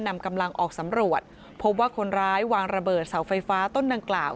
นำกำลังออกสำรวจพบว่าคนร้ายวางระเบิดเสาไฟฟ้าต้นดังกล่าว